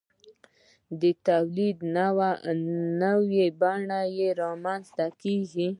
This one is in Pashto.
د تولید نوې بڼه رامنځته کیږي.